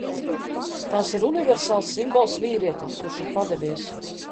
Tās ir universāls simbols vīrietim, kurš ir padevies!